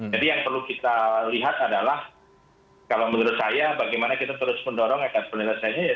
yang perlu kita lihat adalah kalau menurut saya bagaimana kita terus mendorong akan penyelesaiannya ya